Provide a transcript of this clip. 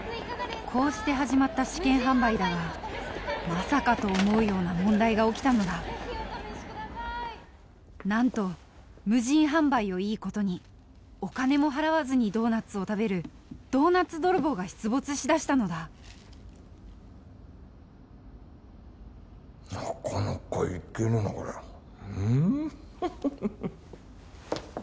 こうして始まった試験販売だがまさかと思うような問題が起きたのだなんと無人販売をいいことにお金も払わずにドーナツを食べるドーナツ泥棒が出没しだしたのだなかなかいけるなこりゃ